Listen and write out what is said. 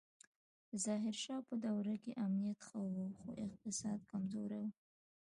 د ظاهر شاه په دوره کې امنیت ښه و خو اقتصاد کمزوری و